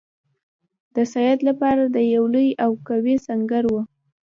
د سید لپاره یو لوی او قوي سنګر وو.